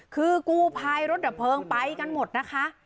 คือกูพายรถดะเพิงไปกันหมดนะคะ